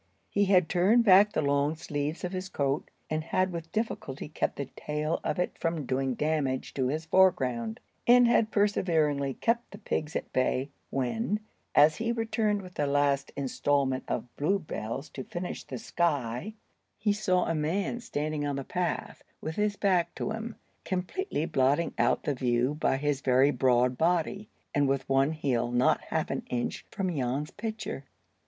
He had turned back the long sleeves of his coat, and had with difficulty kept the tail of it from doing damage to his foreground, and had perseveringly kept the pigs at bay, when, as he returned with a last instalment of bluebells to finish his sky, he saw a man standing on the path, with his back to him, completely blotting out the view by his very broad body, and with one heel not half an inch from Jan's picture.